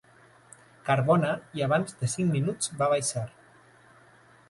Carbona, i abans de cinc minuts va baixar.